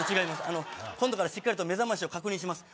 あの今度からしっかりと目覚ましを確認します